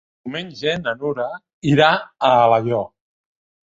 Diumenge na Nura irà a Alaior.